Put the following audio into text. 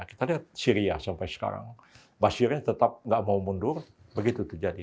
kita lihat syria sampai sekarang basirnya tetap nggak mau mundur begitu terjadi